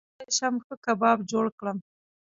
څنګه کولی شم ښه کباب جوړ کړم